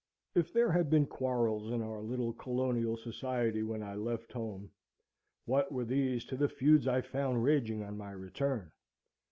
If there had been quarrels in our little colonial society when I left home, what were these to the feuds I found raging on my return?